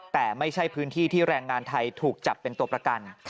แต่ไม่ใช่พื้นที่ที่แรงงานไทยถูกจับเป็นตัวประกัน